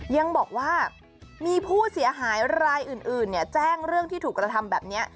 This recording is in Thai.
ยังบอกว่ามีผู้เสียหายรายอื่นแจ้งเรื่องที่ถูกกระทำแบบนี้